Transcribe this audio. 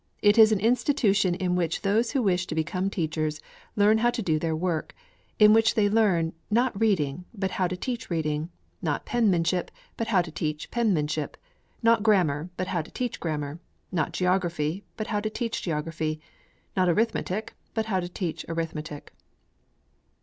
It is an institution in which those who wish to become teachers learn how to do their work; in which they learn, not reading, but how to teach reading; not penmanship, but how to teach penmanship; not grammar, but how to teach grammar; not geography, but how to teach geography; not arithmetic, but how to teach arithmetic.